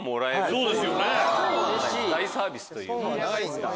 大サービスという。